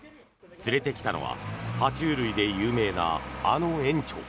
連れてきたのは爬虫類で有名なあの園長。